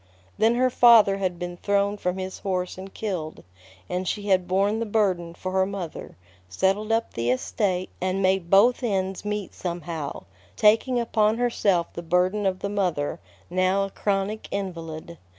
Then her father had been thrown from his horse and killed; and she had borne the burden for her mother, settled up the estate, and made both ends meet somehow, taking upon herself the burden of the mother, now a chronic invalid.